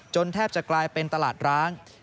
แทบจะกลายเป็นตลาดร้าง